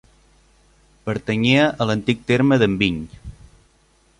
Pertanyia a l'antic terme d'Enviny.